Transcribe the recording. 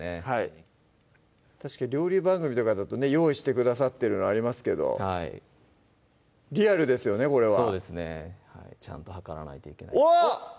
はい確か料理番組とかだとね用意してくださってるのありますけどリアルですよねこれはそうですねちゃんと量らないとうわっ！